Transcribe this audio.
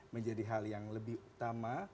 menjadi hal yang lebih utama